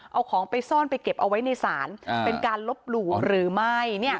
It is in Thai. เอาของไปซ่อนไปเก็บเอาไว้ในศาลเป็นการลบหลู่หรือไม่